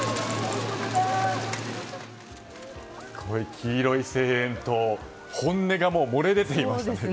黄色い声援と本音がもう漏れ出ていましたね。